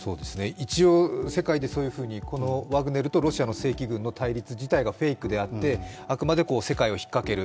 一応世界でそういうふうにワグネルとロシアの対立自体がフェイクであって、あくまで世界を引っかける、